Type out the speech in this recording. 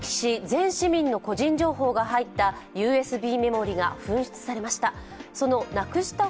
全市民の個人情報が入ったＵＳＢメモリーが紛失されました。